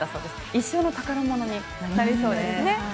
一生の宝物になりそうですね。